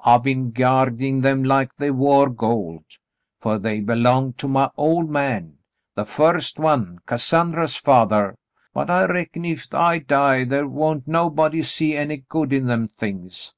I been gyardin' them like they war gold, fer they belonged to my ol' man — the first one — Cassandra's fathah ; but I reckon if I die the' won't nobody see any good in them things.